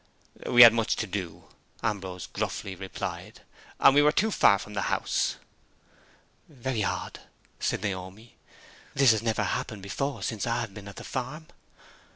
"We had too much to do," Ambrose gruffly replied, "and we were too far from the house." "Very odd," said Naomi. "This has never happened before since I have been at the farm."